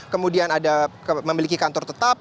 kemudian ada memiliki kantor tetap